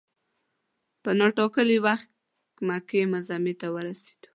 په نا ټا کلي وخت مکې معظمې ته ورسېدو.